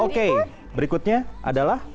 oke berikutnya adalah